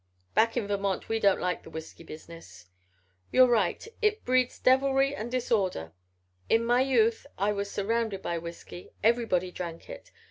"Back in Vermont we don't like the whisky business." "You're right, it breeds deviltry and disorder. In my youth I was surrounded by whisky. Everybody drank it.